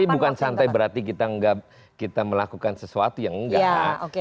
tapi bukan santai berarti kita melakukan sesuatu yang enggak